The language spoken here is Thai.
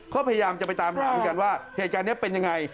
เขาพยายามจะไปตามถามกันว่าเหตุการณ์นี้เป็นอย่างไร